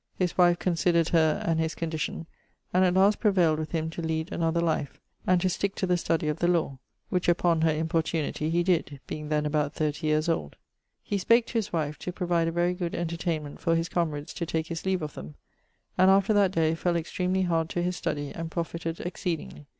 His wife considered her and his condition, and at last prevailed with him to lead another life, and to stick to the studie of the lawe: which, upon her importunity, he did, being then about thirtie yeares old. spake to his wife to provide a very good entertainment for his camerades to take his leave of them; and after that day fell extremely hard to his studie, and profited exceedingly.